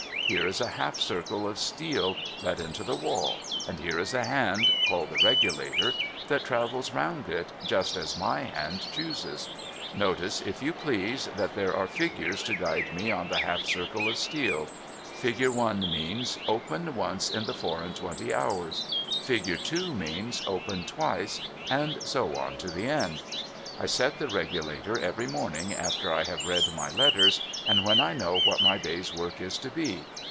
Here is a half circle of steel let into the wall, and here is a hand (called the regulator) that travels round it, just as my hand chooses. Notice, if you please, that there are figures to guide me on the half circle of steel. Figure I. means : Open once in the four and twenty hours. Figure II. means : Open twice ; and so on to the end. I set the regulator every morning, after I have read my letters, and when I know what my day's work is to be.